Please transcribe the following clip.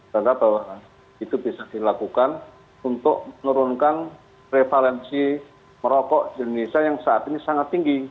karena itu bisa dilakukan untuk menurunkan prevalensi merokok di indonesia yang saat ini sangat tinggi